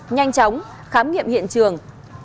nhanh chóng khám nghiệm hiện trường